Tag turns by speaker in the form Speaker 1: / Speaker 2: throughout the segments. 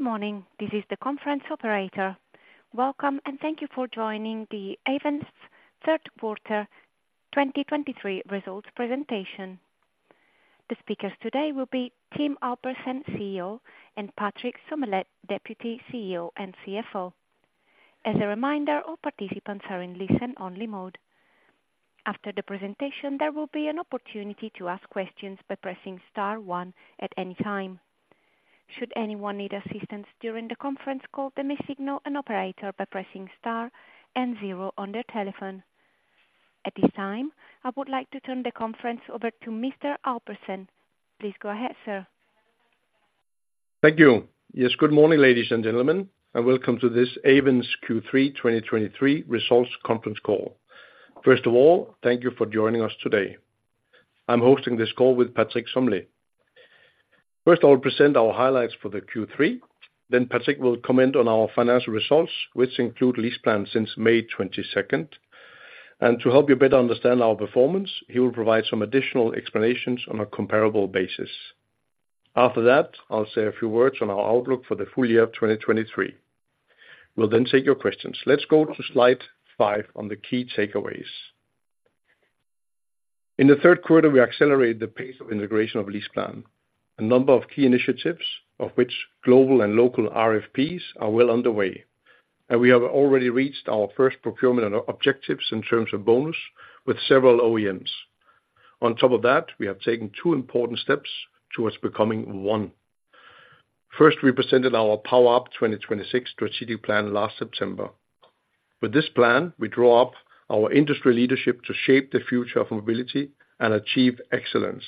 Speaker 1: Good morning, this is the conference operator. Welcome, and thank you for joining the Ayvens Third Quarter 2023 Results Presentation. The speakers today will be Tim Albertsen, CEO, and Patrick Sommelet, Deputy CEO and CFO. As a reminder, all participants are in listen-only mode. After the presentation, there will be an opportunity to ask questions by pressing star one at any time. Should anyone need assistance during the conference call, they may signal an operator by pressing star and zero on their telephone. At this time, I would like to turn the conference over to Mr. Albertsen. Please go ahead, sir.
Speaker 2: Thank you. Yes, good morning, ladies and gentlemen, and welcome to this Ayvens Q3 2023 Results Conference Call. First of all, thank you for joining us today. I'm hosting this call with Patrick Sommelet. First, I'll present our highlights for the Q3, then Patrick will comment on our financial results, which include LeasePlan's since May 22. To help you better understand our performance, he will provide some additional explanations on a comparable basis. After that, I'll say a few words on our outlook for the full year of 2023. We'll then take your questions. Let's go to slide 5 on the key takeaways. In the third quarter, we accelerated the pace of integration of LeasePlan, a number of key initiatives, of which global and local RFPs are well underway, and we have already reached our first procurement and objectives in terms of bonus with several OEMs. On top of that, we have taken two important steps towards becoming one. First, we presented our Power Up 2026 strategic plan last September. With this plan, we draw up our industry leadership to shape the future of mobility and achieve excellence.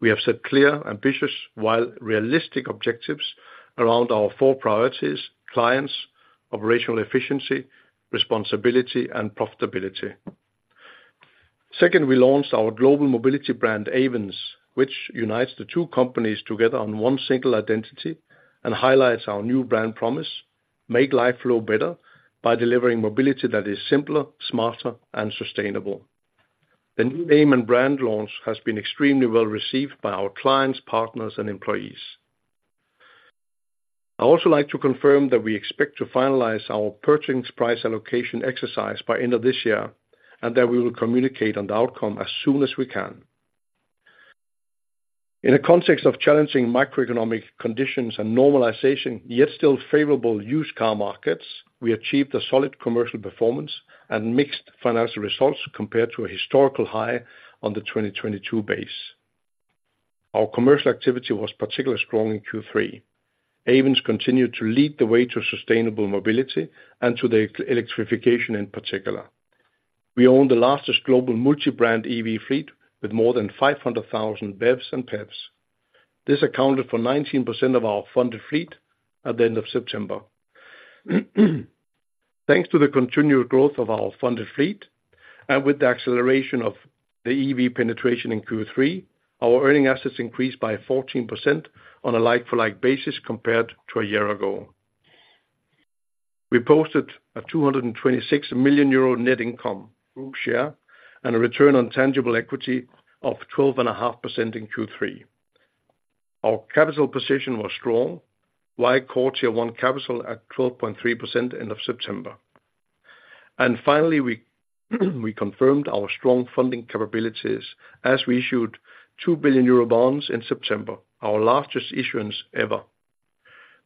Speaker 2: We have set clear, ambitious, while realistic objectives around our four priorities: clients, operational efficiency, responsibility, and profitability. Second, we launched our global mobility brand, Ayvens, which unites the two companies together on one single identity and highlights our new brand promise: Make life flow better by delivering mobility that is simpler, smarter, and sustainable. The new name and brand launch has been extremely well received by our clients, partners, and employees. I'd also like to confirm that we expect to finalize our purchase price allocation exercise by end of this year, and that we will communicate on the outcome as soon as we can. In a context of challenging macroeconomic conditions and normalization, yet still favorable used car markets, we achieved a solid commercial performance and mixed financial results compared to a historical high on the 2022 base. Our commercial activity was particularly strong in Q3. Ayvens continued to lead the way to sustainable mobility and to the electrification, in particular. We own the largest global multi-brand EV fleet, with more than 500,000 BEVs and PHEVs. This accounted for 19% of our funded fleet at the end of September. Thanks to the continued growth of our funded fleet, and with the acceleration of the EV penetration in Q3, our Earning Assets increased by 14% on a like-for-like basis compared to a year ago. We posted a 226 million euro net income Group share and a return on tangible equity of 12.5% in Q3. Our capital position was strong, with Core Tier 1 capital at 12.3% end of September. Finally, we confirmed our strong funding capabilities as we issued 2 billion euro bonds in September, our largest issuance ever.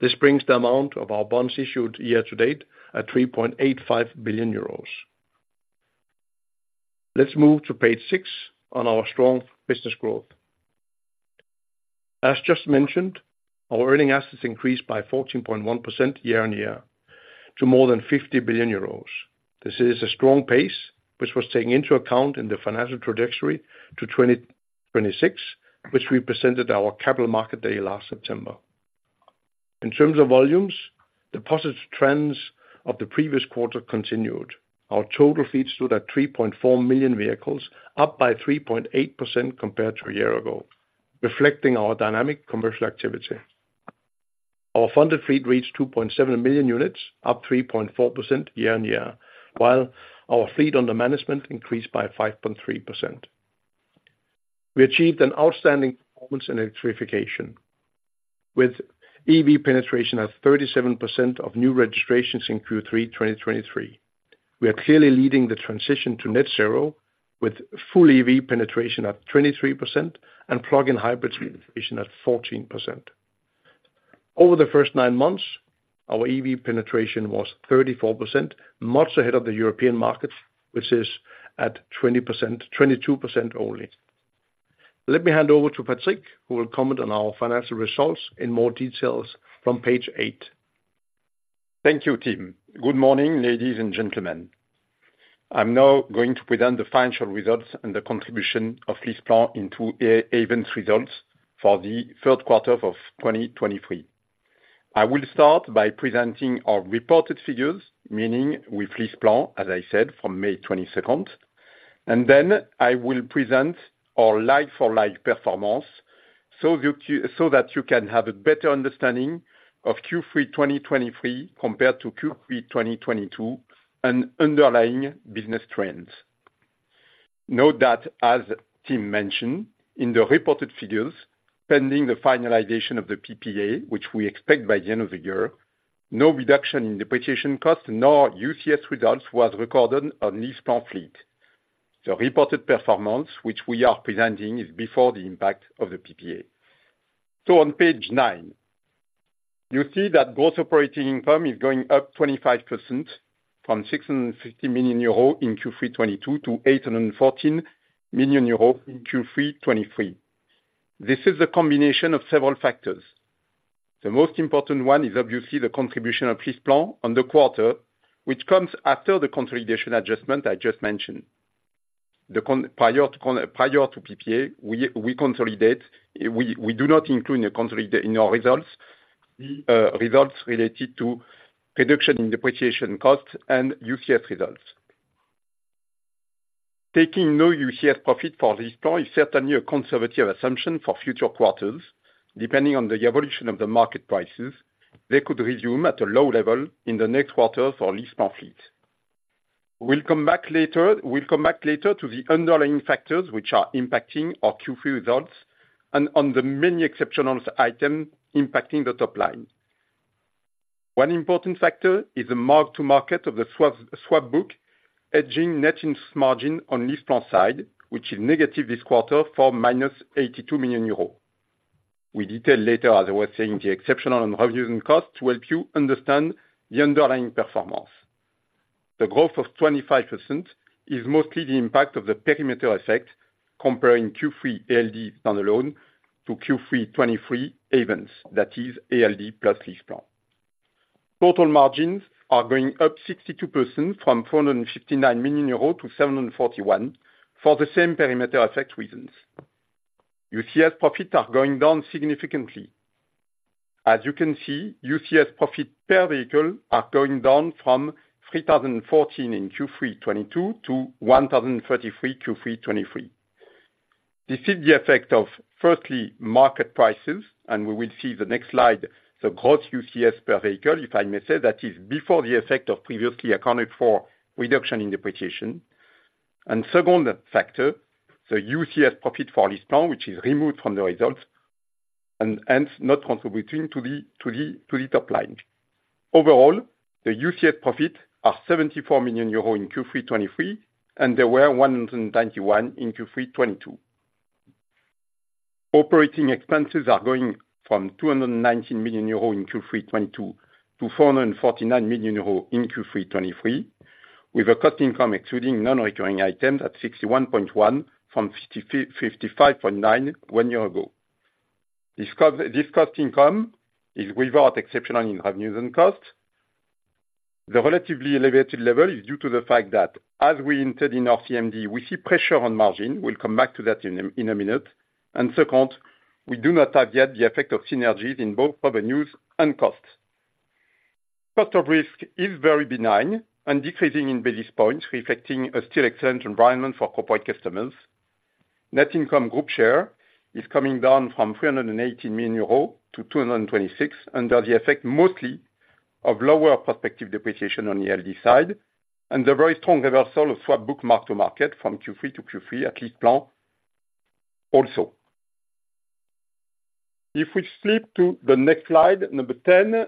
Speaker 2: This brings the amount of our bonds issued year to date at 3.85 billion euros. Let's move to page 6 on our strong business growth. As just mentioned, our Earning Assets increased by 14.1% year-on-year to more than 50 billion euros. This is a strong pace, which was taken into account in the financial trajectory to 2026, which we presented our Capital Market Day last September. In terms of volumes, the positive trends of the previous quarter continued. Our total fleet stood at 3.4 million vehicles, up by 3.8% compared to a year ago, reflecting our dynamic commercial activity. Our funded fleet reached 2.7 million units, up 3.4% year-on-year, while our fleet under management increased by 5.3%. We achieved an outstanding performance in electrification, with EV penetration at 37% of new registrations in Q3 2023. We are clearly leading the transition to net zero, with full EV penetration at 23% and plug-in hybrid penetration at 14%. Over the first 9 months, our EV penetration was 34%, much ahead of the European market, which is at 20%-22% only. Let me hand over to Patrick, who will comment on our financial results in more details from page 8.
Speaker 3: Thank you, Tim. Good morning, ladies and gentlemen. I'm now going to present the financial results and the contribution of LeasePlan into Ayvens results for the third quarter of 2023. I will start by presenting our reported figures, meaning with LeasePlan, as I said, from May 22, and then I will present our like for like performance so that you can have a better understanding of Q3 2023 compared to Q3 2022 and underlying business trends. Note that as Tim mentioned, in the reported figures, pending the finalization of the PPA, which we expect by the end of the year, no reduction in depreciation cost nor UCS results was recorded on LeasePlan fleet. The reported performance, which we are presenting, is before the impact of the PPA. So on page nine, you see that gross operating income is going up 25% from 660 million euro in Q3 2022 to 814 million euro in Q3 2023. This is a combination of several factors. The most important one is obviously the contribution of LeasePlan on the quarter, which comes after the consolidation adjustment I just mentioned. Prior to PPA, we consolidate; we do not include in our results the results related to reduction in depreciation costs and UCS results. Taking no UCS profit for LeasePlan is certainly a conservative assumption for future quarters. Depending on the evolution of the market prices, they could resume at a low level in the next quarter for LeasePlan fleet. We'll come back later, we'll come back later to the underlying factors which are impacting our Q3 results and on the many exceptional items impacting the top line. One important factor is the mark-to-market of the swap, swap book, hedging net interest margin on LeasePlan side, which is negative this quarter for -82 million euros. We detail later, as I was saying, the exceptional on revenues and costs to help you understand the underlying performance. The growth of 25% is mostly the impact of the perimeter effect, comparing Q3 ALD standalone to Q3 2023 Ayvens, that is ALD plus LeasePlan. Total margins are going up 62% from 459 million euro to 741 million, for the same perimeter effect reasons. UCS profits are going down significantly. As you can see, UCS profit per vehicle are going down from 3,014 in Q3 2022 to 1,033, Q3 2023. This is the effect of, firstly, market prices, and we will see the next slide, the gross UCS per vehicle, if I may say, that is before the effect of previously accounted for reduction in depreciation. And second factor, the UCS profit for LeasePlan, which is removed from the results, and hence, not contributing to the top line. Overall, the UCS profit are 74 million euros in Q3 2023, and they were 191 million in Q3 2022. Operating expenses are going from 219 million euros in Q3 2022 to 449 million euros in Q3 2023, with a cost income excluding non-recurring items at 61.1 from 55.9 one year ago. This cost income is without exceptional in revenues and costs. The relatively elevated level is due to the fact that, as we entered in our CMD, we see pressure on margin. We'll come back to that in a minute. Second, we do not have yet the effect of synergies in both revenues and costs. Cost of risk is very benign and decreasing in basis points, reflecting a still excellent environment for corporate customers. Net income group share is coming down from 318 million euros to 226 million, under the effect mostly of lower prospective depreciation on the ALD side, and the very strong reversal of swap book mark-to-market from Q3 to Q3 at LeasePlan also. If we flip to the next slide, number 10,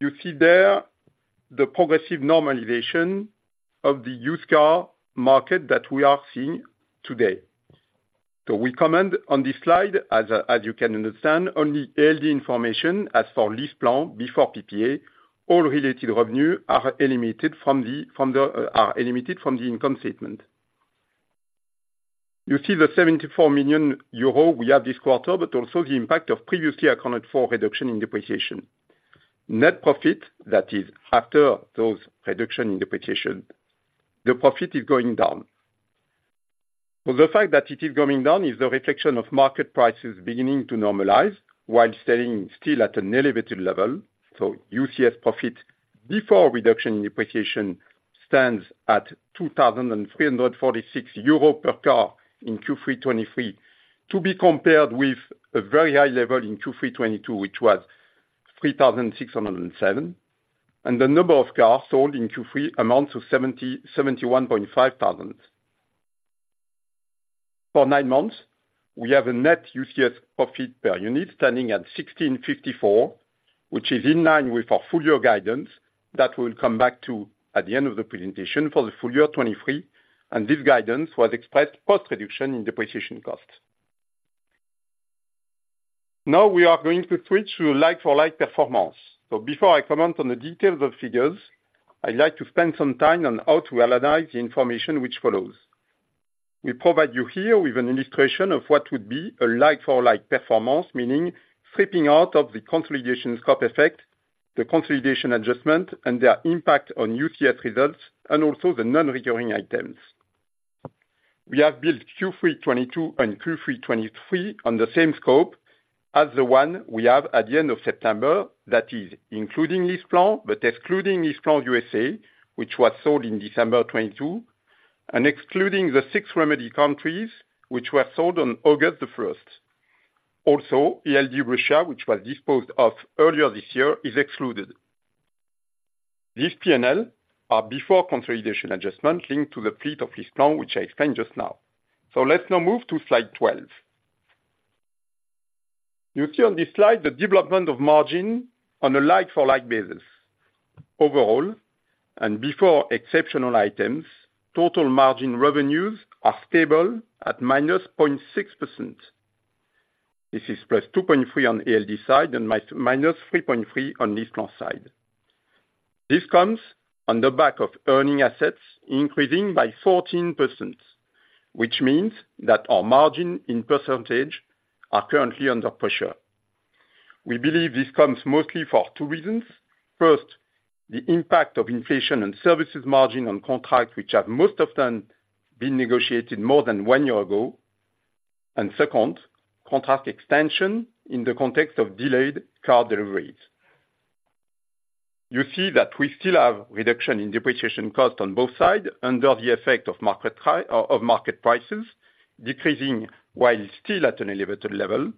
Speaker 3: you see there the progressive normalization of the used car market that we are seeing today. So we comment on this slide, as you can understand, only ALD information as for LeasePlan before PPA, all related revenue are eliminated from the income statement. You see the 74 million euro we have this quarter, but also the impact of previously accounted for reduction in depreciation. Net profit, that is after those reduction in depreciation, the profit is going down. But the fact that it is going down is the reflection of market prices beginning to normalize while staying still at an elevated level. So UCS profit, before reduction in depreciation, stands at 2,346 euro per car in Q3 2023, to be compared with a very high level in Q3 2022, which was 3,607. The number of cars sold in Q3 amounts to 77,500. For nine months, we have a net UCS profit per unit standing at 1,654, which is in line with our full year guidance. That we'll come back to at the end of the presentation for the full year 2023, and this guidance was expressed post-reduction in depreciation costs. Now we are going to switch to like-for-like performance. So before I comment on the details of figures, I'd like to spend some time on how to analyze the information which follows. We provide you here with an illustration of what would be a like-for-like performance, meaning flipping out of the consolidation scope effect, the consolidation adjustment, and their impact on UCS results, and also the non-recurring items. We have built Q3 2022 and Q3 2023 on the same scope as the one we have at the end of September. That is including LeasePlan, but excluding LeasePlan USA, which was sold in December 2022, and excluding the six Remedy Countries, which were sold on August 1st. Also, ALD Russia, which was disposed of earlier this year, is excluded. This P&L are before consolidation adjustment linked to the fleet of LeasePlan, which I explained just now. So let's now move to slide 12. You see on this slide the development of margin on a like-for-like basis. Overall, and before exceptional items, total margin revenues are stable at -0.6%. This is +2.3 on ALD side and minus 3.3 on LeasePlan side. This comes on the back of Earning Assets increasing by 14%, which means that our margin in percentage are currently under pressure. We believe this comes mostly for two reasons. First, the impact of inflation and services margin on contracts, which have most of them been negotiated more than one year ago. And second, contract extension in the context of delayed car deliveries. You see that we still have reduction in depreciation cost on both sides, under the effect of market prices decreasing while still at an elevated level.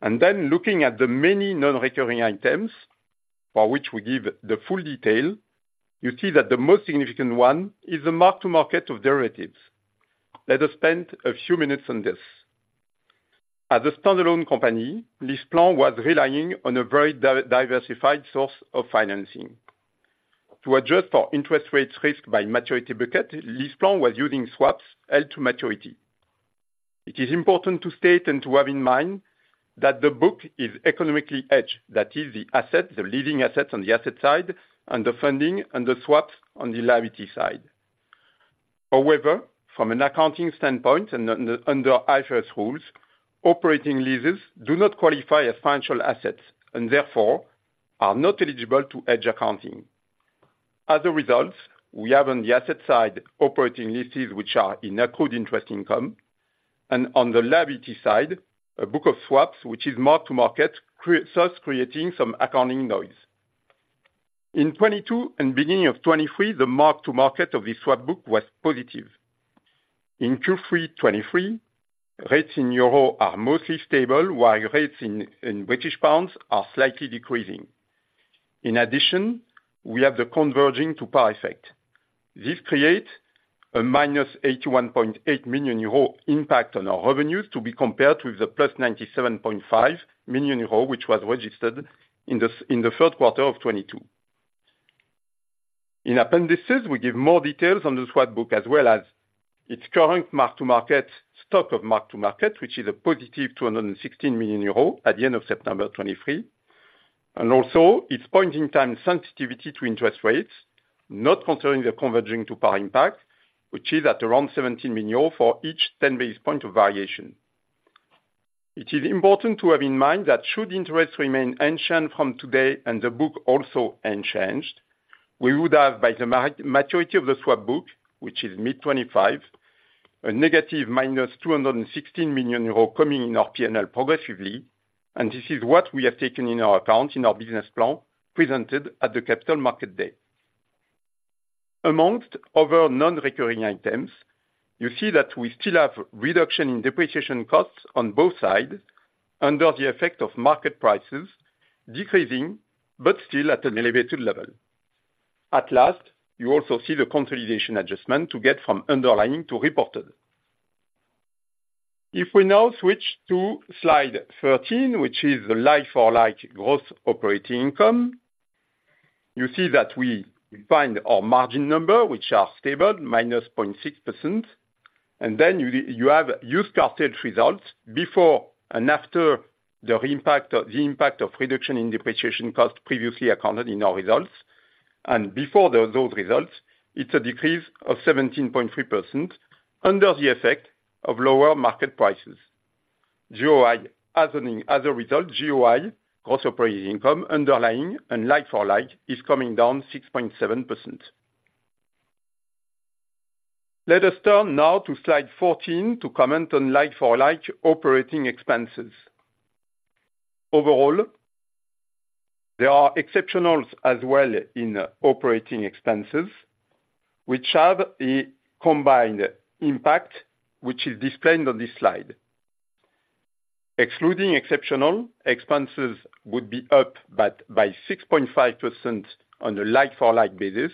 Speaker 3: Then looking at the many non-recurring items, for which we give the full detail, you see that the most significant one is the mark-to-market of derivatives. Let us spend a few minutes on this. As a standalone company, LeasePlan was relying on a very diversified source of financing. To adjust for interest rates risk by maturity bucket, LeasePlan was using swaps held to maturity. It is important to state and to have in mind, that the book is economically hedged. That is the asset, the leasing asset on the asset side, and the funding and the swaps on the liability side. However, from an accounting standpoint and under IFRS rules, operating leases do not qualify as financial assets, and therefore are not eligible to hedge accounting. As a result, we have on the asset side, operating leases, which are in accrued interest income, and on the liability side, a book of swaps, which is mark-to-market, thus creating some accounting noise. In 2022 and beginning of 2023, the mark-to-market of the swap book was positive. In Q3 2023, rates in euro are mostly stable, while rates in British pounds are slightly decreasing. In addition, we have the converging to par effect. This creates a -81.8 million euro impact on our revenues, to be compared with the +97.5 million euro, which was registered in the third quarter of 2022. In appendices, we give more details on the swap book, as well as its current mark-to-market, stock of mark-to-market, which is a positive 216 million euros at the end of September 2023. And also, its point in time sensitivity to interest rates, not considering the converging to par impact, which is at around 17 million for each 10 basis points of variation. It is important to have in mind that should interest remain unchanged from today and the book also unchanged, we would have, by the maturity of the swap book, which is mid-2025, a negative minus 216 million euros coming in our P&L progressively, and this is what we have taken in our account, in our business plan, presented at the Capital Market Day. Among other non-recurring items, you see that we still have reduction in depreciation costs on both sides, under the effect of market prices decreasing, but still at an elevated level. At last, you also see the consolidation adjustment to get from underlying to reported. If we now switch to slide 13, which is the like-for-like gross operating income, you see that we find our margin number, which are stable, minus 0.6%. And then you have Used Car Sales results before and after the impact of the impact of reduction in depreciation cost previously accounted in our results. And before those results, it's a decrease of 17.3% under the effect of lower market prices. GOI as a result, GOI, gross operating income, underlying and like-for-like, is coming down 6.7%. Let us turn now to slide 14 to comment on like-for-like operating expenses. Overall, there are exceptionals as well in operating expenses, which have a combined impact, which is displayed on this slide. Excluding exceptional, expenses would be up, but by 6.5% on a like-for-like basis,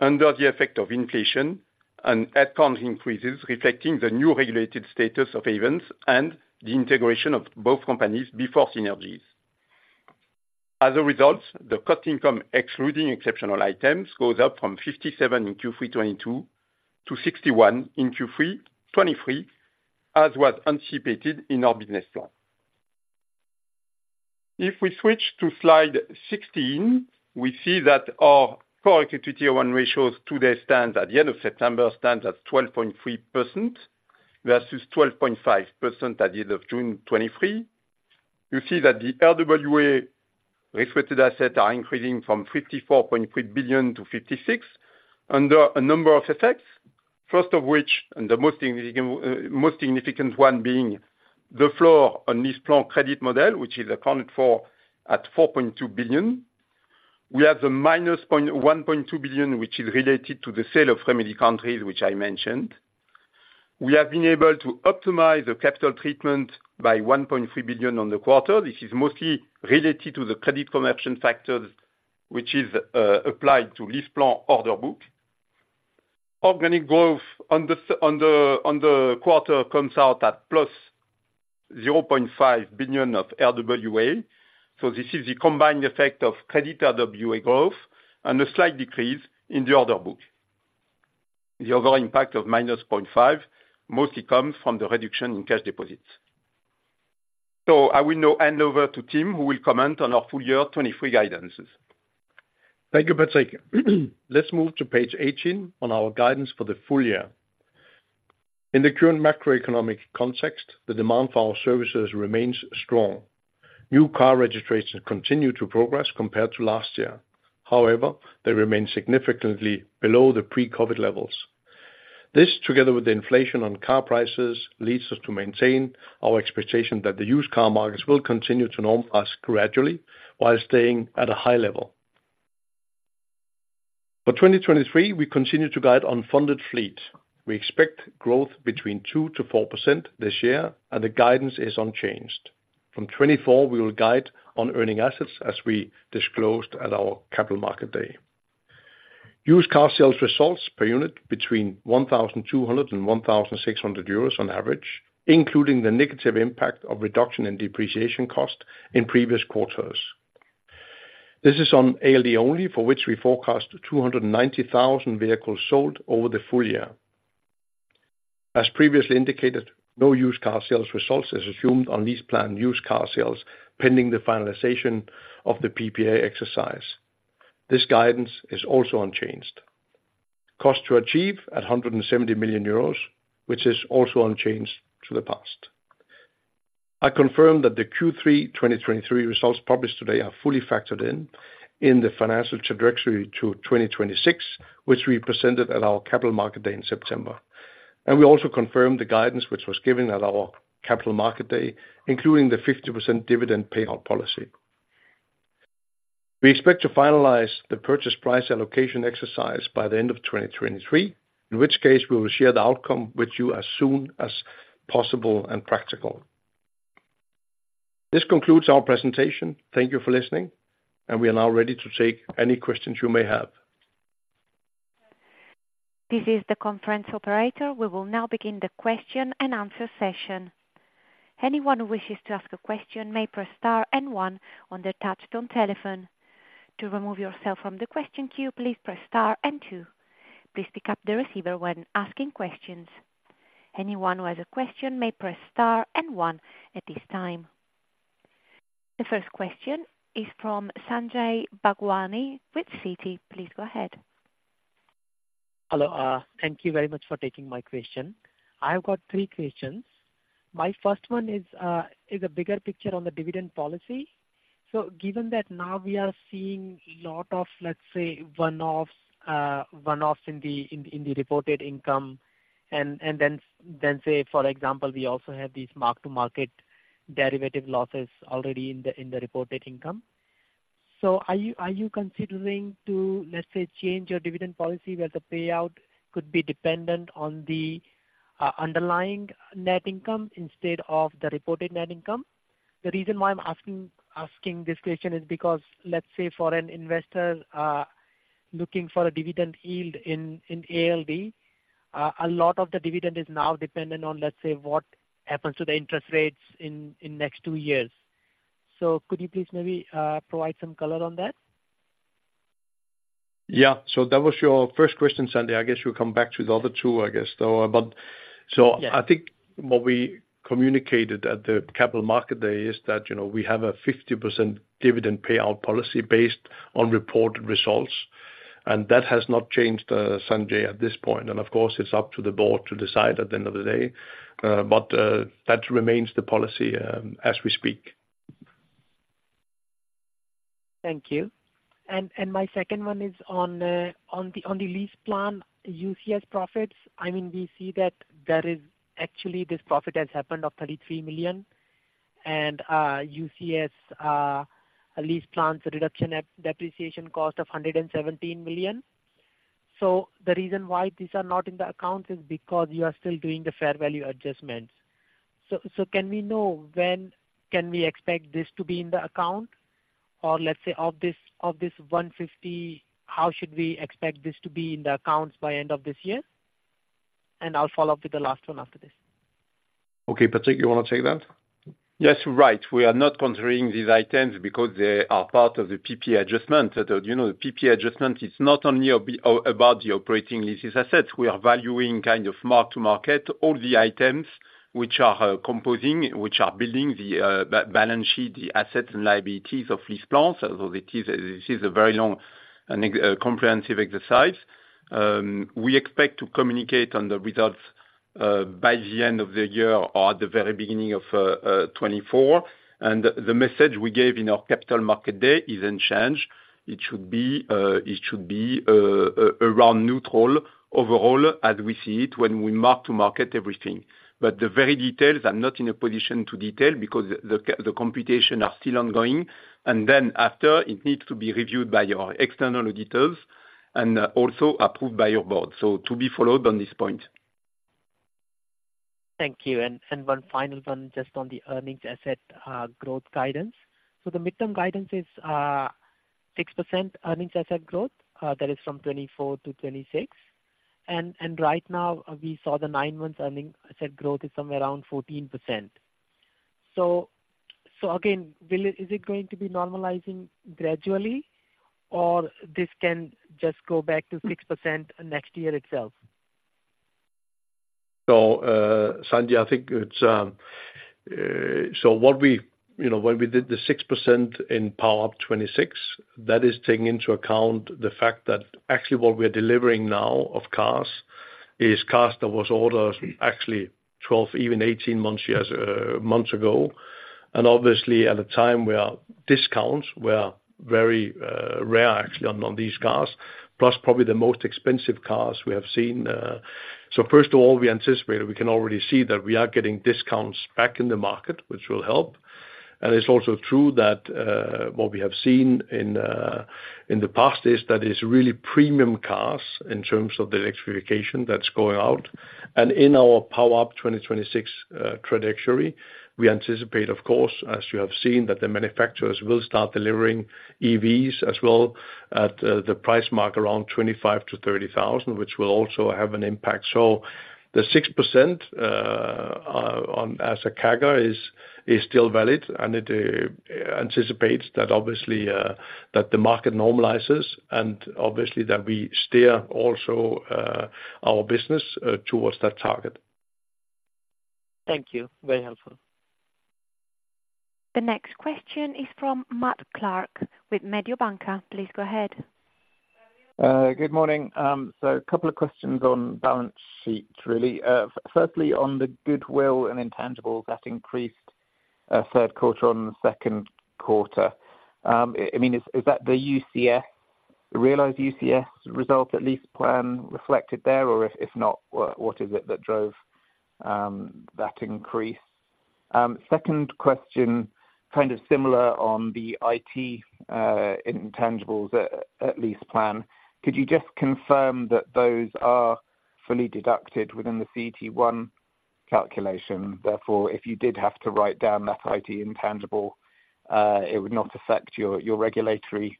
Speaker 3: under the effect of inflation and headcount increases, reflecting the new regulated status of Ayvens and the integration of both companies before synergies. As a result, the cost income, excluding exceptional items, goes up from 57 in Q3 2022 to 61 in Q3 2023, as was anticipated in our business plan. If we switch to slide 16, we see that our Core Tier 1 ratios today stands at the end of September, stands at 12.3%, versus 12.5% at the end of June 2023. You see that the RWA-related assets are increasing from 54.3 billion to 56 billion, under a number of effects, first of which, and the most significant one being the floor on LeasePlan credit model, which is accounted for at 4.2 billion. We have the minus 1.2 billion, which is related to the sale of Remedy Countries, which I mentioned. We have been able to optimize the capital treatment by 1.3 billion on the quarter. This is mostly related to the credit conversion factors, which is applied to LeasePlan order book. Organic growth on the quarter comes out at plus 0.5 billion of RWA. So this is the combined effect of credit RWA growth and a slight decrease in the order book. The overall impact of -0.5 mostly comes from the reduction in cash deposits. I will now hand over to Tim, who will comment on our full year 2023 guidance.
Speaker 2: Thank you, Patrick. Let's move to page 18 on our guidance for the full year. In the current macroeconomic context, the demand for our services remains strong. New car registrations continue to progress compared to last year. However, they remain significantly below the pre-COVID levels. This, together with the inflation on car prices, leads us to maintain our expectation that the used car markets will continue to normalize gradually while staying at a high level. For 2023, we continue to guide unfunded fleet. We expect growth between 2%-4% this year, and the guidance is unchanged. From 2024, we will guide on Earning Assets as we disclosed at our capital market day. Used Car Sales results per unit between 1,200 and 1,600 euros on average, including the negative impact of reduction in depreciation cost in previous quarters. This is on ALD only, for which we forecast 290,000 vehicles sold over the full year. As previously indicated, no Used Car Sales results is assumed on LeasePlan Used Car Sales, pending the finalization of the PPA exercise. This guidance is also unchanged. Cost to Achieve at 170 million euros, which is also unchanged to the past. I confirm that the Q3 2023 results published today are fully factored in, in the financial trajectory to 2026, which we presented at our Capital Market Day in September. We also confirmed the guidance which was given at our Capital Market Day, including the 50% dividend payout policy. We expect to finalize the purchase price allocation exercise by the end of 2023, in which case we will share the outcome with you as soon as possible and practical. This concludes our presentation. Thank you for listening, and we are now ready to take any questions you may have.
Speaker 1: This is the conference operator. We will now begin the question and answer session. Anyone who wishes to ask a question may press star and one on their touchtone telephone. To remove yourself from the question queue, please press star and two. Please pick up the receiver when asking questions. Anyone who has a question may press star and one at this time. The first question is from Sanjay Bhagwani with Citi. Please go ahead.
Speaker 4: Hello, thank you very much for taking my question. I've got three questions. My first one is a bigger picture on the dividend policy. So given that now we are seeing a lot of, let's say, one-offs in the reported income, and then, say, for example, we also have these mark-to-market derivative losses already in the reported income. So are you considering to, let's say, change your dividend policy, where the payout could be dependent on the underlying net income instead of the reported net income? The reason why I'm asking this question is because, let's say, for an investor looking for a dividend yield in ALD, a lot of the dividend is now dependent on, let's say, what happens to the interest rates in next two years. Could you please maybe provide some color on that?
Speaker 2: Yeah. So that was your first question, Sanjay. I guess you'll come back to the other two, I guess, though. But—
Speaker 4: Yeah.
Speaker 2: So I think what we communicated at the Capital Market Day is that, you know, we have a 50% dividend payout policy based on reported results, and that has not changed, Sanjay, at this point. Of course, it's up to the board to decide at the end of the day. But that remains the policy, as we speak.
Speaker 4: Thank you. And, and my second one is on, on the, on the LeasePlan UCS profits. I mean, we see that there is actually this profit has happened of 33 million and, UCS, LeasePlan's reduction at depreciation cost of 117 million. So the reason why these are not in the account is because you are still doing the fair value adjustments. So can we know when can we expect this to be in the account? Or let's say of this, of this 150, how should we expect this to be in the accounts by end of this year? And I'll follow up with the last one after this.
Speaker 2: Okay, Patrick, you want to take that?
Speaker 3: Yes, right. We are not considering these items because they are part of the PPA adjustment. You know, the PPA adjustment is not only about the operating leases assets. We are valuing kind of mark-to-market all the items which are composing, which are building the balance sheet, the assets and liabilities of LeasePlan. So this is a very long and comprehensive exercise. We expect to communicate on the results by the end of the year or the very beginning of 2024. The message we gave in our Capital Market Day is unchanged. It should be around neutral overall as we see it when we mark-to-market everything. But the very details, I'm not in a position to detail because the computation are still ongoing, and then after, it needs to be reviewed by our external auditors and also approved by our board. So to be followed on this point.
Speaker 4: Thank you. And one final one, just on the Earning Assets growth guidance. So the mid-term guidance is 6% Earning Assets growth, that is from 2024 to 2026. And right now we saw the nine-month Earning Assets growth is somewhere around 14%. So again, is it going to be normalizing gradually, or this can just go back to 6% next year itself?
Speaker 2: So, Sanjay, I think it's so what we, you know, when we did the 6% in Power Up 2026, that is taking into account the fact that actually what we are delivering now of cars, is cars that was ordered actually 12, even 18 months, years, months ago. And obviously, at the time, where discounts were very rare actually on these cars, plus probably the most expensive cars we have seen. So first of all, we anticipate, we can already see that we are getting discounts back in the market, which will help. And it's also true that, what we have seen in, in the past is that it's really premium cars in terms of the electrification that's going out. In our Power Up 2026 trajectory, we anticipate, of course, as you have seen, that the manufacturers will start delivering EVs as well at the price mark, around 25,000-30,000, which will also have an impact. The 6% on as a CAGR is still valid, and it anticipates that obviously that the market normalizes, and obviously that we steer also our business towards that target.
Speaker 4: Thank you, very helpful.
Speaker 1: The next question is from Matt Clark with Mediobanca. Please go ahead.
Speaker 5: Good morning. So a couple of questions on balance sheet really. Firstly, on the goodwill and intangibles that increased, third quarter on second quarter. I mean, is that the UCS, realized UCS result at LeasePlan reflected there, or if not, what is it that drove that increase? Second question, kind of similar on the IT intangibles at LeasePlan. Could you just confirm that those are fully deducted within the CET1 calculation? Therefore, if you did have to write down that IT intangible, it would not affect your regulatory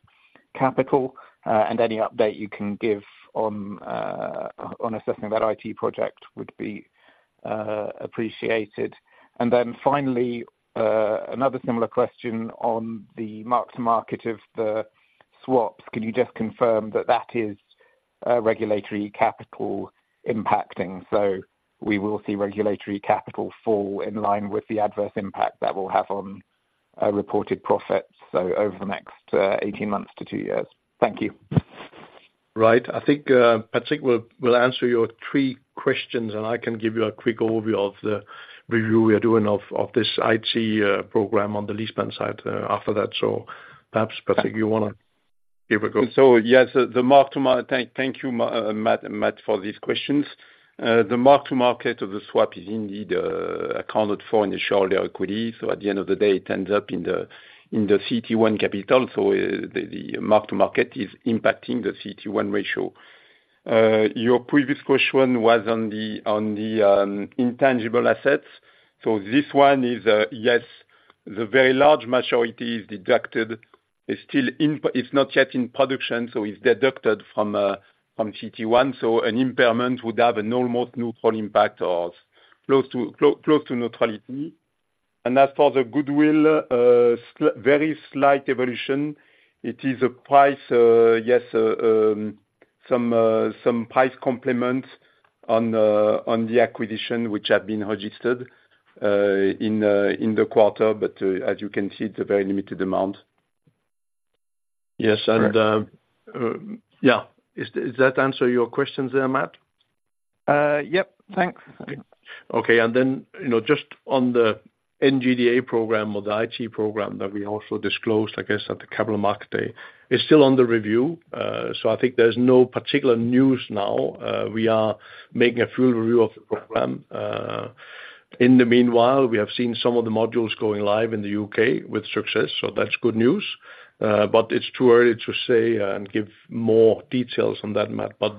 Speaker 5: capital, and any update you can give on assessing that IT project would be appreciated. And then finally, another similar question on the mark-to-market of the swaps. Can you just confirm that that is regulatory capital impacting? We will see regulatory capital fall in line with the adverse impact that will have on reported profits, so over the next 18 months to 2 years. Thank you.
Speaker 2: Right. I think Patrick will answer your three questions, and I can give you a quick overview of the review we are doing of this IT program on the LeasePlan side, after that. So perhaps, Patrick, you wanna give a go?
Speaker 3: So yes, the mark-to-market. Thank you, Matt, for these questions. The mark-to-market of the swap is indeed accounted for in the shareholder equity. So at the end of the day, it ends up in the CET1 capital, so the mark-to-market is impacting the CET1 ratio. Your previous question was on the intangible assets. So this one is, yes, the very large majority is deducted. It's not yet in production, so it's deducted from CET1. So an impairment would have an almost neutral impact or close to neutrality. As for the goodwill, very slight evolution, it is a price, yes, some price components on the acquisition, which have been registered in the quarter. But as you can see, it's a very limited amount.
Speaker 2: Yes.
Speaker 5: Correct.
Speaker 2: Yeah, does that answer your questions there, Matt?
Speaker 5: Yep, thanks.
Speaker 2: Okay. Then, you know, just on the NGDA program or the IT program that we also disclosed, I guess, at the Capital Market Day, it's still under review. So I think there's no particular news now. We are making a full review of the program. In the meanwhile, we have seen some of the modules going live in the UK with success, so that's good news. But it's too early to say and give more details on that, Matt. But,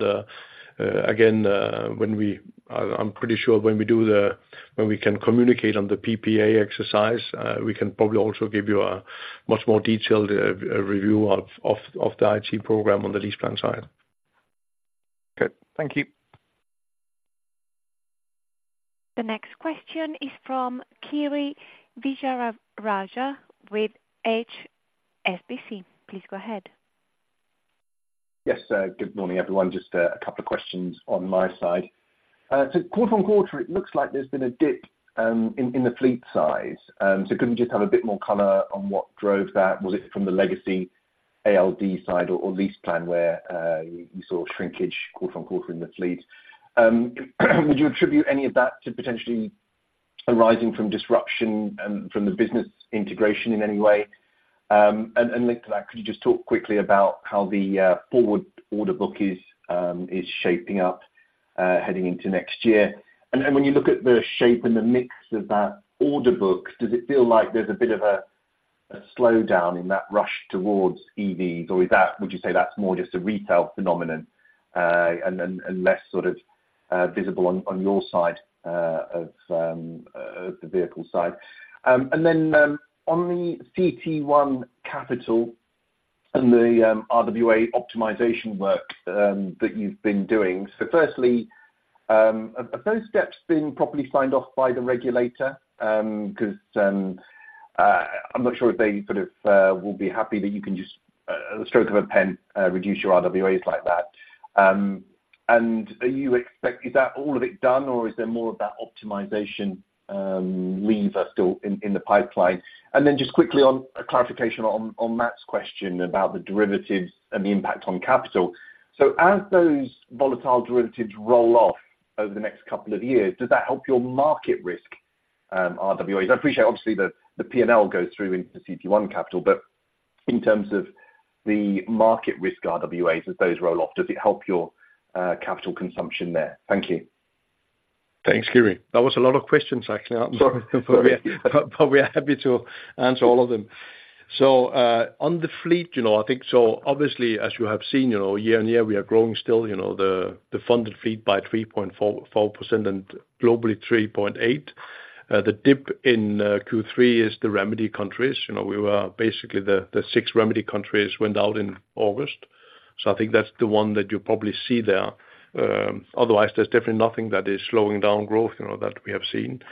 Speaker 2: again, I'm pretty sure when we can communicate on the PPA exercise, we can probably also give you a much more detailed review of the IT program on the LeasePlan side.
Speaker 5: Okay, thank you.
Speaker 1: The next question is from Kiri Vijayarajah with HSBC. Please go ahead.
Speaker 6: Yes, good morning, everyone. Just a couple of questions on my side. So quarter-on-quarter, it looks like there's been a dip in the fleet size. So could we just have a bit more color on what drove that? Was it from the legacy ALD side or LeasePlan where you saw shrinkage quarter-on-quarter in the fleet? Would you attribute any of that to potentially arising from disruption from the business integration in any way? And linked to that, could you just talk quickly about how the forward order book is shaping up heading into next year? And then when you look at the shape and the mix of that order book, does it feel like there's a bit of a— A slowdown in that rush towards EVs, or is that, would you say that's more just a retail phenomenon, and less sort of visible on your side of the vehicle side? And then, on the CET1 capital and the RWA optimization work that you've been doing, so firstly, have those steps been properly signed off by the regulator? 'Cause I'm not sure if they sort of will be happy that you can just at the stroke of a pen reduce your RWAs like that. And is that all of it done, or is there more of that optimization lever still in the pipeline? And then just quickly, a clarification on Matt's question about the derivatives and the impact on capital. So as those volatile derivatives roll off over the next couple of years, does that help your market risk RWAs? I appreciate obviously the P&L goes through into CET1 capital, but in terms of the market risk RWAs, as those roll off, does it help your capital consumption there? Thank you.
Speaker 2: Thanks, Gary. That was a lot of questions, actually. I'm sorry, but we are happy to answer all of them. So, on the fleet, you know, I think so obviously, as you have seen, you know, year-on-year, we are growing still, you know, the funded fleet by 3.44%, and globally 3.8%. The dip in Q3 is the remedy countries. You know, we were basically the six remedy countries went out in August, so I think that's the one that you probably see there. Otherwise, there's definitely nothing that is slowing down growth, you know, that we have seen.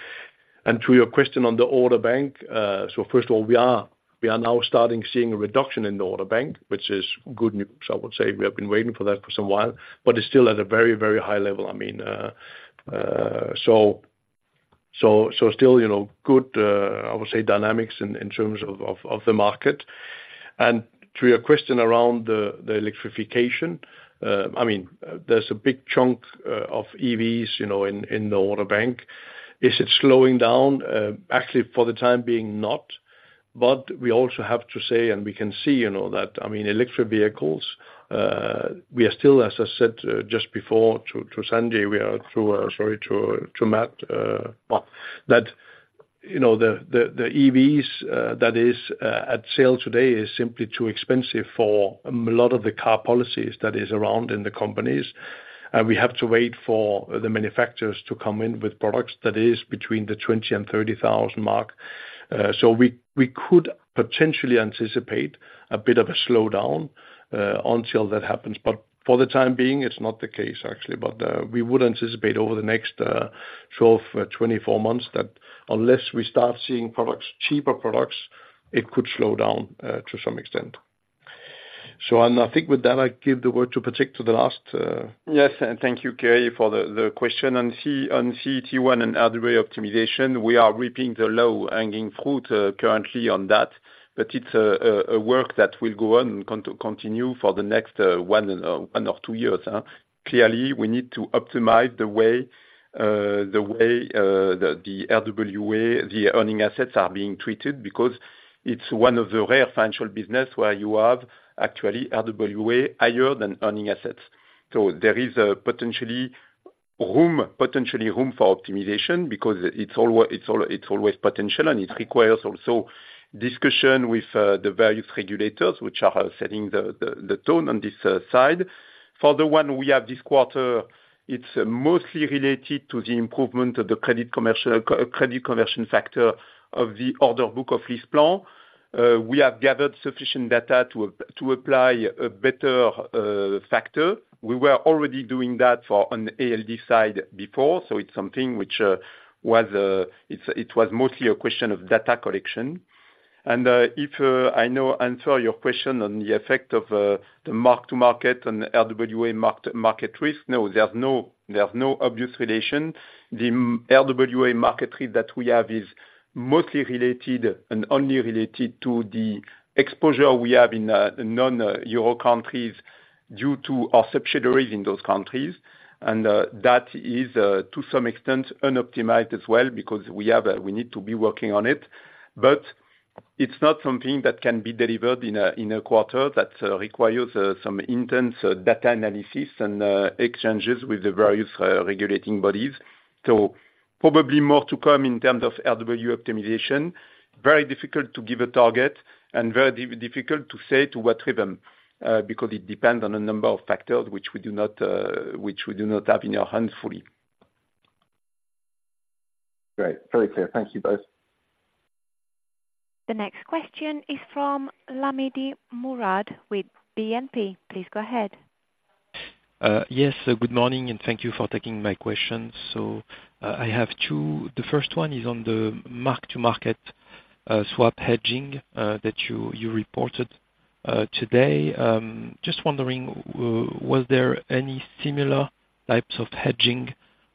Speaker 2: To your question on the order bank, so first of all, we are now starting seeing a reduction in the order bank, which is good news, I would say. We have been waiting for that for some while, but it's still at a very, very high level. I mean, so still, you know, good, I would say dynamics in terms of the market. And to your question around the electrification, I mean, there's a big chunk of EVs, you know, in the order bank. Is it slowing down? Actually, for the time being, not, but we also have to say, and we can see, you know, that I mean, electric vehicles, we are still, as I said, just before to Sanjay, we are through, sorry, to Matt, well, that, you know, the EVs that is at sale today is simply too expensive for a lot of the car policies that is around in the companies. We have to wait for the manufacturers to come in with products that is between the 20,000-30,000 mark. So we could potentially anticipate a bit of a slowdown until that happens, but for the time being, it's not the case, actually. But we would anticipate over the next 12-24 months that unless we start seeing products, cheaper products, it could slow down to some extent. So, and I think with that, I give the word to Patrick, to the last—
Speaker 3: Yes, and thank you, Kiri, for the question. On CET1 and RWA optimization, we are reaping the low-hanging fruit currently on that, but it's a work that will continue for the next one or two years, huh? Clearly, we need to optimize the way the RWA, the Earning Assets are being treated, because it's one of the rare financial businesses where you have, actually, RWA higher than Earning Assets. So there is potential room for optimization because it's always potential, and it requires also discussion with the various regulators, which are setting the tone on this side. For the one we have this quarter, it's mostly related to the improvement of the commercial credit conversion factor of the order book of LeasePlan. We have gathered sufficient data to apply a better factor. We were already doing that on the ALD side before, so it's something which was, it was mostly a question of data collection. And, if I now answer your question on the effect of the mark-to-market and RWA market risk, no, there's no obvious relation. The RWA market risk that we have is mostly related and only related to the exposure we have in non-Euro countries due to our subsidiaries in those countries. That is, to some extent, unoptimized as well, because we need to be working on it, but it's not something that can be delivered in a quarter. That requires some intense data analysis and exchanges with the various regulating bodies. So probably more to come in terms of RWA optimization. Very difficult to give a target, and very difficult to say to what rhythm, because it depends on a number of factors, which we do not have in our hands fully.
Speaker 6: Great. Very clear. Thank you, both.
Speaker 1: The next question is from Lahmidi Mourad with BNP. Please go ahead.
Speaker 7: Yes, good morning, and thank you for taking my question. So, I have two. The first one is on the mark-to-market swap hedging that you reported today. Just wondering, was there any similar types of hedging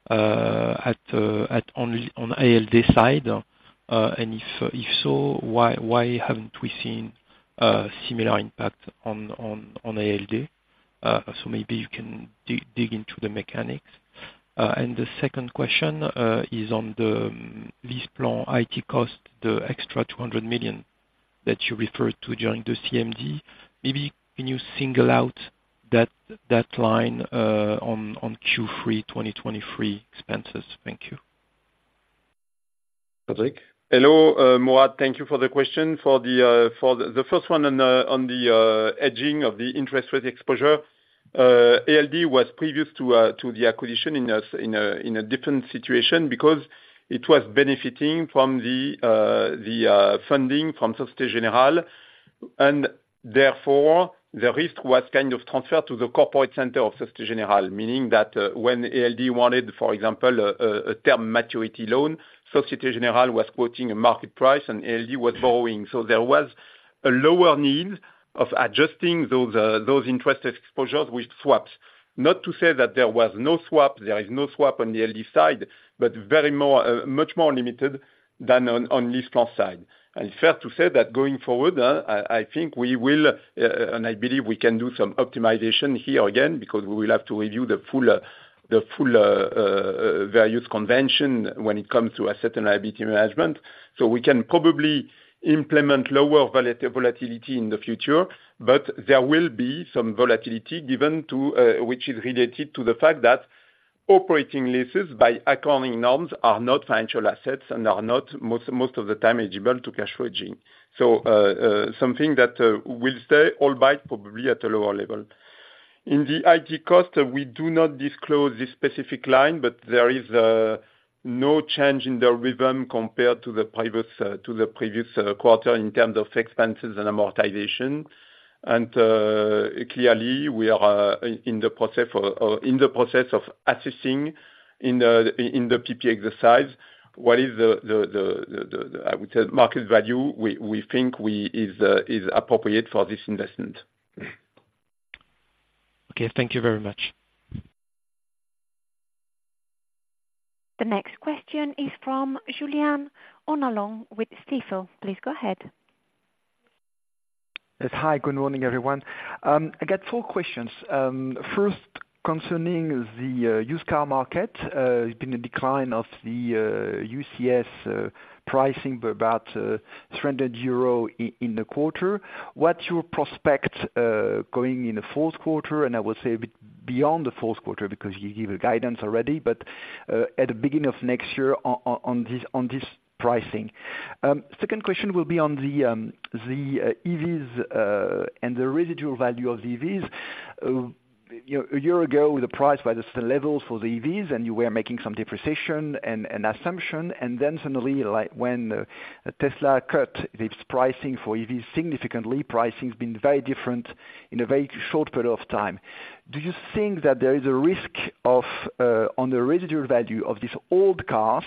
Speaker 7: at ALD side? And if so, why haven't we seen a similar impact on ALD? So maybe you can dig into the mechanics. And the second question is on the LeasePlan IT cost, the extra 200 million that you referred to during the CMD. Maybe can you single out that line on Q3 2023 expenses? Thank you.
Speaker 3: Hello, Mourad, thank you for the question. For the first one on the hedging of the interest rate exposure, ALD was previous to the acquisition in a different situation, because it was benefiting from the funding from Société Générale. And therefore, the risk was kind of transferred to the corporate center of Société Générale, meaning that when ALD wanted, for example, a term maturity loan, Société Générale was quoting a market price, and ALD was borrowing. So there was a lower need of adjusting those interest exposures with swaps. Not to say that there was no swap, there is no swap on the ALD side, but much more limited than on LeasePlan side. Fair to say that going forward, I think we will, and I believe we can do some optimization here again, because we will have to review the fair value convention when it comes to asset and liability management. So we can probably implement lower volatility in the future, but there will be some volatility given to which is related to the fact that operating leases by accounting norms are not financial assets, and are not, most of the time, eligible to cash flow hedging. So something that will stay, albeit probably at a lower level. In the IT cost, we do not disclose this specific line, but there is no change in the rhythm compared to the previous quarter, in terms of expenses and amortization. Clearly, we are in the process of assessing in the PP exercise what the market value we think is appropriate for this investment.
Speaker 7: Okay, thank you very much.
Speaker 1: The next question is from Julien Onillon with Stifel. Please go ahead.
Speaker 8: Yes, hi, good morning, everyone. I got 4 questions. First, concerning the used car market. There's been a decline of the UCS pricing by about 300 euro in the quarter. What's your prospect going in the fourth quarter? And I will say a bit beyond the fourth quarter, because you gave a guidance already, but at the beginning of next year, on this pricing. Second question will be on the EVs and the residual value of the EVs. You know, a year ago, the price was the levels for the EVs, and you were making some depreciation and assumption, and then suddenly, like when Tesla cut its pricing for EVs, significantly, pricing has been very different in a very short period of time. Do you think that there is a risk of on the residual value of these old cars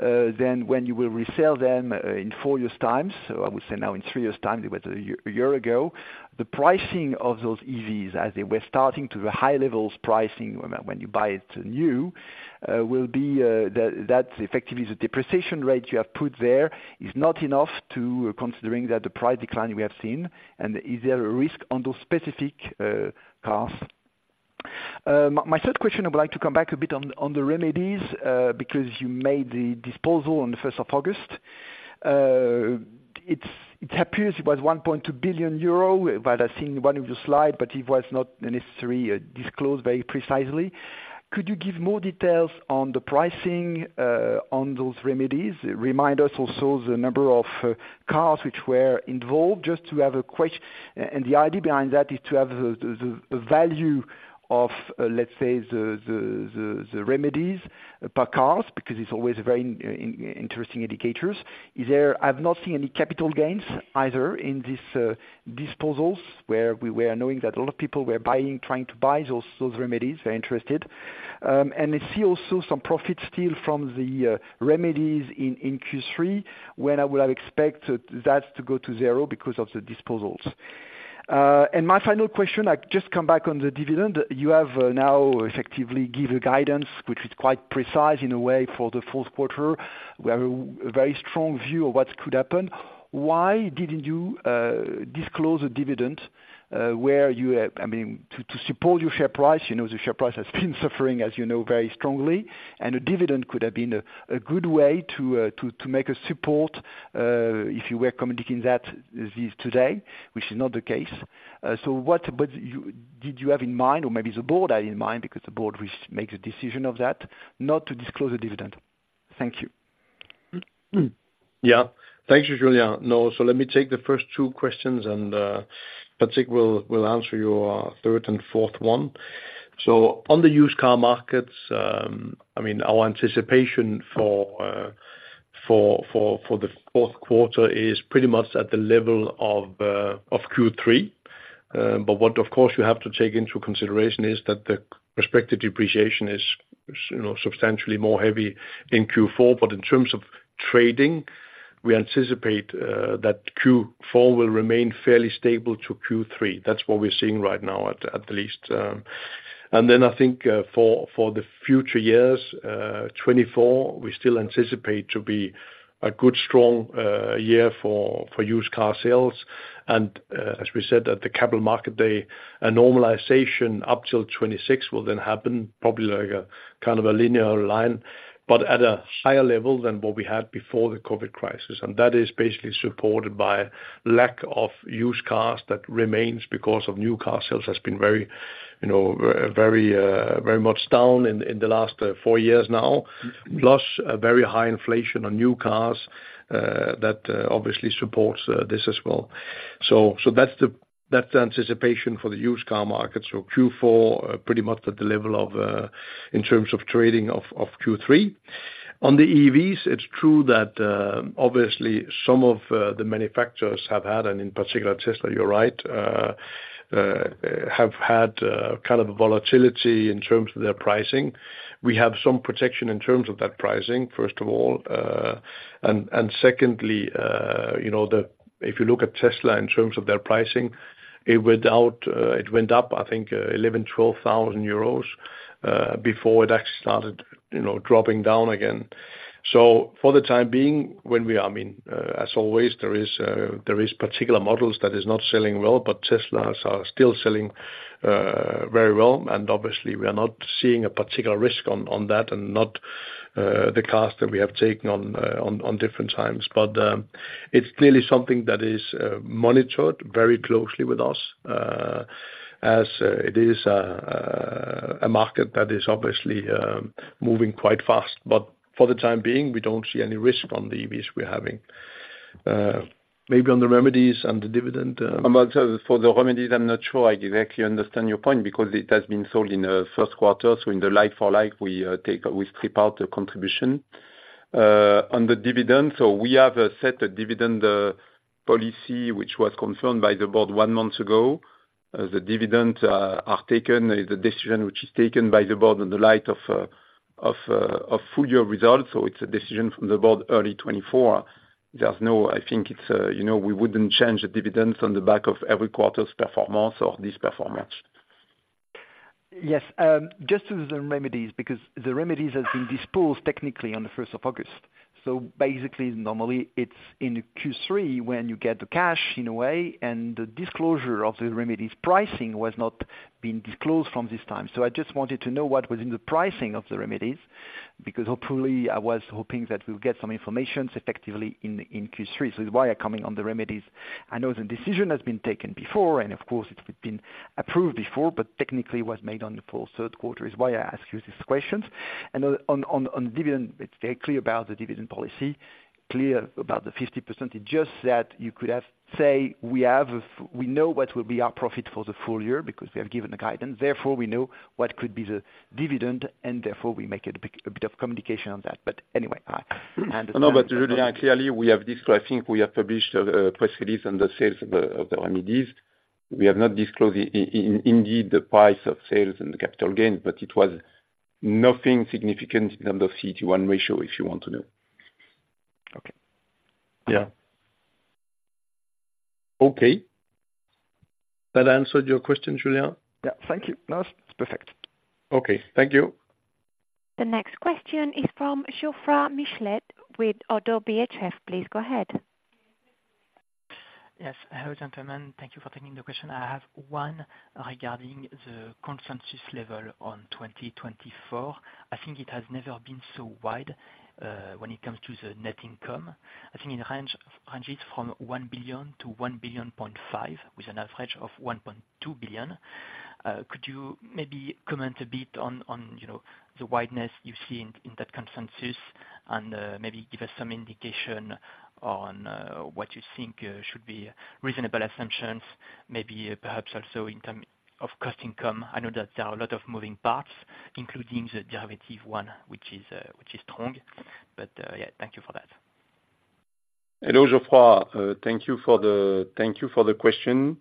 Speaker 8: than when you will resell them in four years' time? So I would say now in three years' time, it was a year, a year ago. The pricing of those EVs as they were starting to the high levels pricing, when you buy it new, will be that effectively the depreciation rate you have put there is not enough to considering that the price decline we have seen. And is there a risk on those specific cars? My third question, I would like to come back a bit on the remedies because you made the disposal on the first of August. It appears it was 1.2 billion euro, but I've seen one of your slide, but it was not necessarily disclosed very precisely. Could you give more details on the pricing on those remedies? Remind us also the number of cars which were involved, just to have and the idea behind that is to have the value of, let's say, the remedies per cars, because it's always a very interesting indicators. Is there—I've not seen any capital gains either in this disposals, where we were knowing that a lot of people were buying, trying to buy those remedies, very interested. And I see also some profit still from the remedies in Q3, when I would have expected that to go to zero because of the disposals. And my final question, I just come back on the dividend. You have now effectively given guidance, which is quite precise in a way, for the fourth quarter. We have a very strong view of what could happen. Why didn't you disclose a dividend, where you have—I mean, to support your share price? You know, the share price has been suffering, as you know, very strongly, and a dividend could have been a good way to make a support, if you were communicating that this today, which is not the case. So what did you have in mind, or maybe the board had in mind, because the board makes a decision of that, not to disclose the dividend? Thank you.
Speaker 2: Yeah. Thank you, Julien. No, so let me take the first two questions, and Patrick will answer your third and fourth one. So on the used car markets, I mean, our anticipation for the fourth quarter is pretty much at the level of Q3. But what, of course, you have to take into consideration is that the respective depreciation is, you know, substantially more heavy in Q4. But in terms of trading, we anticipate that Q4 will remain fairly stable to Q3. That's what we're seeing right now, at least. And then I think, for the future years, 2024, we still anticipate to be a good, strong year for Used Car Sales. And, as we said, at the Capital Market Day, a normalization up till 2026 will then happen, probably like a kind of a linear line, but at a higher level than what we had before the COVID crisis. And that is basically supported by lack of used cars that remains because of new car sales, has been very, you know, very, very much down in the last four years now. Plus a very high inflation on new cars, that obviously supports this as well. So that's the anticipation for the used car market. So Q4 pretty much at the level of in terms of trading of Q3. On the EVs, it's true that, obviously some of the manufacturers have had, and in particular Tesla, you're right, have had kind of a volatility in terms of their pricing. We have some protection in terms of that pricing, first of all, and secondly, you know, if you look at Tesla in terms of their pricing, it went up, I think, 11,000-12,000 euros before it actually started, you know, dropping down again. So for the time being, when we—I mean, as always, there is particular models that is not selling well, but Teslas are still selling very well, and obviously we are not seeing a particular risk on that, and not the cost that we have taken on at different times. But it's clearly something that is monitored very closely with us, as it is a market that is obviously moving quite fast. But for the time being, we don't see any risk on the EVs we're having. Maybe on the remedies and the dividend?
Speaker 3: Among, for the remedies, I'm not sure I exactly understand your point, because it has been sold in the first quarter, so in the like-for-like, we take, we strip out the contribution. On the dividend, so we have set a dividend policy, which was confirmed by the board one month ago. As the dividend are taken, the decision which is taken by the board in the light of full year results, so it's a decision from the board early 2024. There's no—I think it's, you know, we wouldn't change the dividends on the back of every quarter's performance or this performance.
Speaker 8: Yes. Just on the remedies, because the remedies have been disposed technically on the 1st of August. So basically, normally it's in Q3 when you get the cash, in a way, and the disclosure of the remedies pricing was not been disclosed from this time. So I just wanted to know what was in the pricing of the remedies, because hopefully, I was hoping that we'll get some information effectively in, in Q3. So it's why you're coming on the remedies. I know the decision has been taken before, and of course, it's been approved before, but technically was made on the full third quarter, is why I ask you these questions. And on, on, on the dividend, it's very clear about the dividend policy, clear about the 50%. It's just that you could have say, we have, we know what will be our profit for the full year, because we have given the guidance, therefore, we know what could be the dividend, and therefore we make it a bit, a bit of communication on that. But anyway, and—
Speaker 3: No, but Julien, clearly, we have disclosed, I think we have published, a press release on the sales of the, of the remedies. We have not disclosed, indeed, the price of sales and the capital gains, but it was nothing significant in terms of CET1 ratio, if you want to know.
Speaker 8: Okay.
Speaker 3: Yeah. Okay. That answered your question, Julien?
Speaker 8: Yeah, thank you. No, it's perfect.
Speaker 3: Okay. Thank you.
Speaker 1: The next question is from Geoffroy Michalet with Oddo BHF. Please go ahead.
Speaker 9: Yes, hello, gentlemen. Thank you for taking the question. I have one regarding the consensus level on 2024. I think it has never been so wide when it comes to the net income. I think it ranges from 1 billion to 1.5 billion, with an average of 1.2 billion. Could you maybe comment a bit on, on, you know, the wideness you see in, in that consensus? And maybe give us some indication on what you think should be reasonable assumptions, maybe perhaps also in term of cost income. I know that there are a lot of moving parts, including the derivative one, which is, which is strong. But yeah, thank you for that.
Speaker 3: Hello, Geoffroy. Thank you for the question.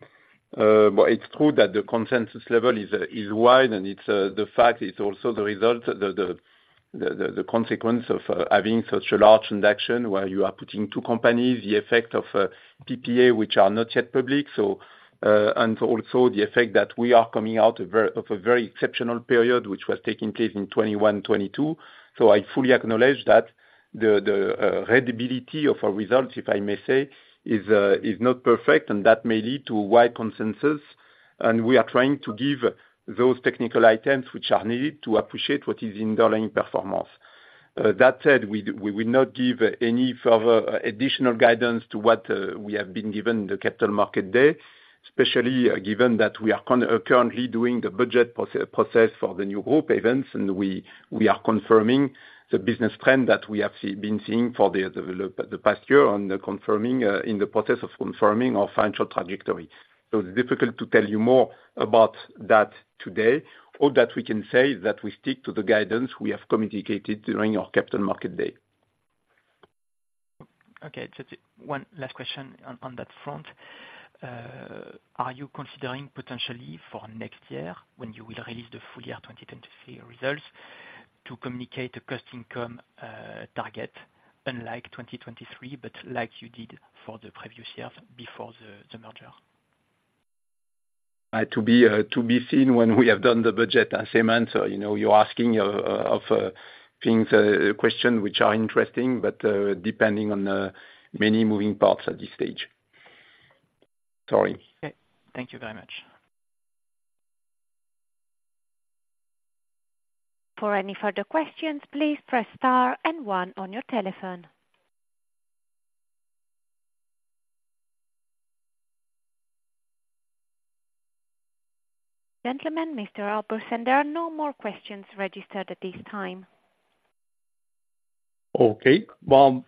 Speaker 3: But it's true that the consensus level is wide, and it's the fact is also the result, the consequence of having such a large transaction where you are putting two companies, the effect of PPA, which are not yet public. So, and also the effect that we are coming out of a very exceptional period, which was taking place in 2021, 2022. So I fully acknowledge that the readability of our results, if I may say, is not perfect, and that may lead to wide consensus. And we are trying to give those technical items which are needed to appreciate what is the underlying performance. That said, we will not give any further additional guidance to what we have been given the Capital Market Day, especially given that we are currently doing the budget process for the new group events, and we are confirming the business trend that we have been seeing for the past year on the confirming in the process of confirming our financial trajectory. So it's difficult to tell you more about that today. All that we can say is that we stick to the guidance we have communicated during our Capital Market Day.
Speaker 9: Okay, just one last question on that front. Are you considering potentially for next year, when you will release the full year 2023 results, to communicate a cost income target, unlike 2023, but like you did for the previous years before the merger?
Speaker 3: To be seen when we have done the budget assessment. So, you know, you're asking questions which are interesting, but depending on many moving parts at this stage. Sorry.
Speaker 9: Okay. Thank you very much.
Speaker 1: For any further questions, please press star and one on your telephone. Gentlemen, Mr. Albertsen, there are no more questions registered at this time.
Speaker 2: Okay. Well,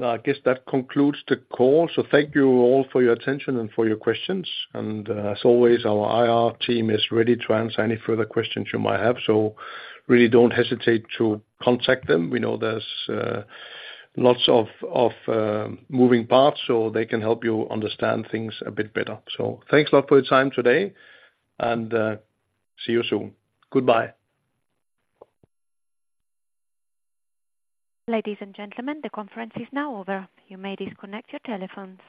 Speaker 2: I guess that concludes the call, so thank you all for your attention and for your questions. And, as always, our IR team is ready to answer any further questions you might have, so really don't hesitate to contact them. We know there's lots of moving parts, so they can help you understand things a bit better. So thanks a lot for your time today, and see you soon. Goodbye.
Speaker 1: Ladies and gentlemen, the conference is now over. You may disconnect your telephones.